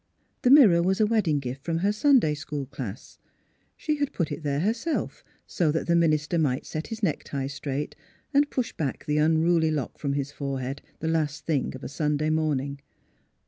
The mirror was a wedding gift from her Sunday school class. She had put it there herself, so that the minister might set his necktie straight and push back the unruly lock from his forehead the last thing of a Sunday morning.